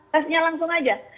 tesnya langsung aja